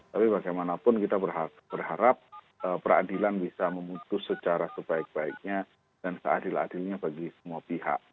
tapi bagaimanapun kita berharap peradilan bisa memutus secara sebaik baiknya dan seadil adilnya bagi semua pihak